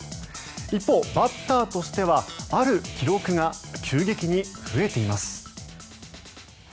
一方、バッターとしてはある記録が急激に増えています。